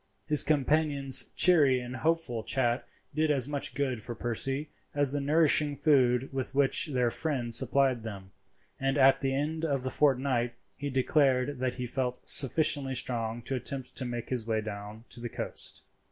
His companion's cheery and hopeful chat did as much good for Percy as the nourishing food with which their friend supplied them; and at the end of the fortnight he declared that he felt sufficiently strong to attempt to make his way down to the coast.